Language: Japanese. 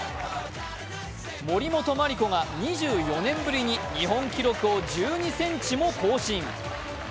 森本麻里子が２４年ぶりに日本記録を１２ｃｍも更新。